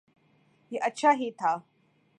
یہ اچھا ہی تھا۔